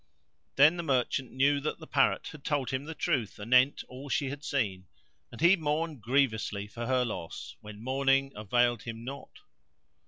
Then the merchant knew that the Parrot had told him the truth anent all she had seen and he mourned grievously for her loss, when mourning availed him not.